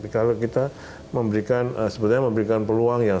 kalau kita memberikan sebetulnya memberikan perusahaan